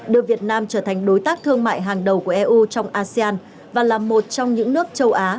đưa việt nam trở thành đối tác thương mại hàng đầu của eu trong asean và là một trong những nước châu á